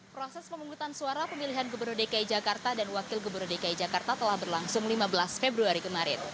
proses pemungutan suara pemilihan gubernur dki jakarta dan wakil gubernur dki jakarta telah berlangsung lima belas februari kemarin